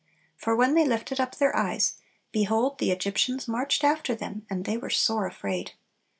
For when they "lifted up their eyes, behold, the Egyptians marched after them; and they were sore afraid."